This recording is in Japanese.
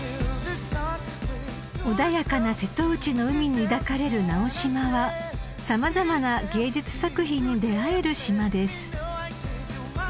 ［穏やかな瀬戸内の海に抱かれる直島は様々な芸術作品に出合える島です］